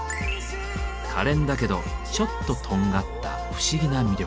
かれんだけどちょっととんがった不思議な魅力。